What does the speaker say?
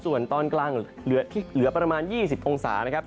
ส่วนตอนกลางเหลือประมาณ๒๐องศานะครับ